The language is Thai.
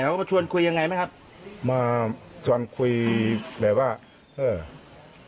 เขามาชวนคุยยังไงไหมครับมาชวนคุยแบบว่าเออ